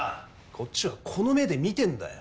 こっちはこの目で見てんだよ。